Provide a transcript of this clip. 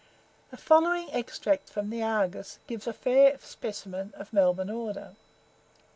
The following extract from the "Argus," gives a fair specimen of Melbourne order.